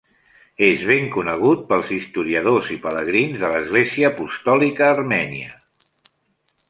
És ben conegut pels historiadors i pelegrins de l'Església Apostòlica Armènia.